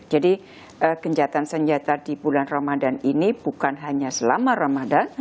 jadi gencatan senjata di bulan ramadan ini bukan hanya selama ramadan